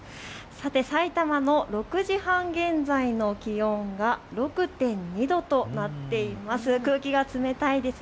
さいたまの６時半現在の気温が６．２度となっています。